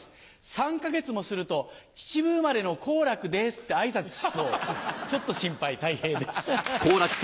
３か月もすると「秩父生まれの好楽です」って挨拶しそうちょっと心配たい平です。